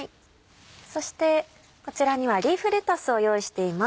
そしてこちらにはリーフレタスを用意しています。